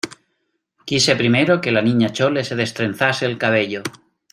quise primero que la Niña Chole se destrenzase el cabello